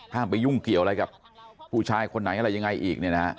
ห้ามไปยุ่งเกี่ยวอะไรกับผู้ชายคนไหนอะไรยังไงอีก